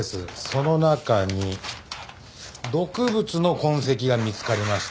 その中に毒物の痕跡が見つかりました。